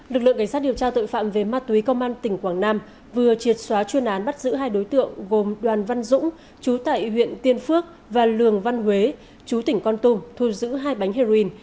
lực lượng cảnh sát điều tra tội phạm về ma túy công an tỉnh quảng nam vừa triệt xóa chuyên án bắt giữ hai đối tượng gồm đoàn văn dũng chú tại huyện tiên phước và lường văn huế chú tỉnh con tum thu giữ hai bánh heroin